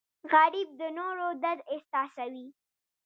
غریب د نورو درد احساسوي